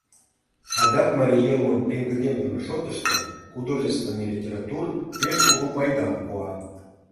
Адак марий йылмым пеҥгыдемдыме шотышто художественный литератур пеш кугу пайдам пуа.